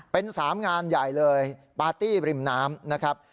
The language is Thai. เป็น๓งานใหญ่เลยปาร์ตี้ริมน้ำนะครับ